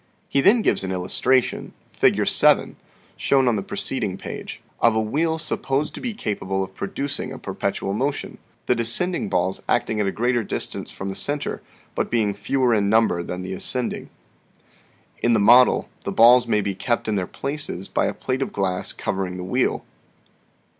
He then gives the illustration (Fig. 7), shown on the preceding page, of "a wheel supposed to be capable of pro ducing a perpetual motion ; the descending balls acting at a greater distance from the center, but being fewer in number than the ascending. In the model, the balls may be kept in their places by a plate of glass covering the wheel."